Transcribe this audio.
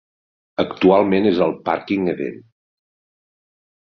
Actualment és el Pàrquing Edén.